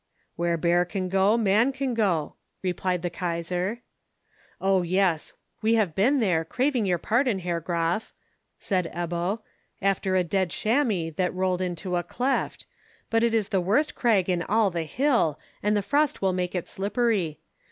"Where bear can go, man can go," replied the Kaisar. "Oh, yes! We have been there, craving your pardon, Herr Graf," said Ebbo, "after a dead chamois that rolled into a cleft, but it is the worst crag on all the hill, and the frost will make it slippery.